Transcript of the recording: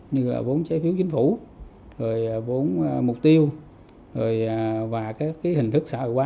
như là vốn trái phiếu chính phủ vốn mục tiêu